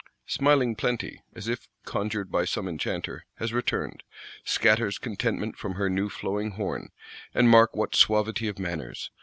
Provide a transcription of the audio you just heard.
Smiling Plenty, as if conjured by some enchanter, has returned; scatters contentment from her new flowing horn. And mark what suavity of manners!